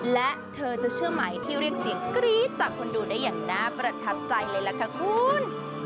และเธอจะเชื่อไหมที่เรียกเสียงกรี๊ดจากคนดูได้อย่างน่าประทับใจเลยล่ะค่ะคุณ